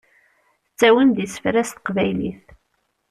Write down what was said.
Tettawim-d isefra s teqbaylit.